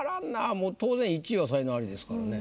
もう当然１位は才能アリですからね。